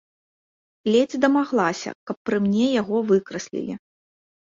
Ледзь дамаглася, каб пры мне яго выкраслілі.